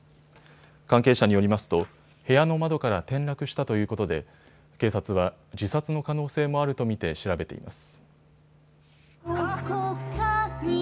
関係者によりますと部屋の窓から転落したということで警察は自殺の可能性もあると見て調べています。